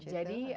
kita bersama tim